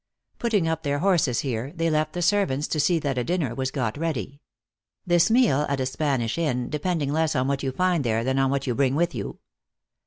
Putting up their horses here, they left the servants to see that a dinner was got ready ; this meal, at a Spanish inn, depending less on what you find there than on what you bring with yon.